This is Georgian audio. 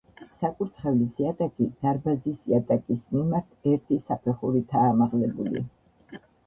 საკურთხევლის იატაკი დარბაზის იატაკის მიმართ ერთი საფეხურითაა ამაღლებული.